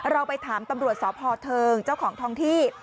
เราไปถามตำรวจสพเทิงเจ้าของทองที่